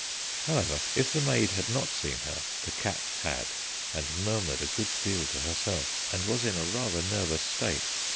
However, if the maid had not seen her, the cat had, and murmured a good deal to herself, and was in a rather nervous state.